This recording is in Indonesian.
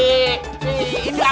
eh mau kemana